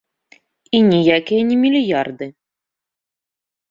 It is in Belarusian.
І ніякія не мільярды.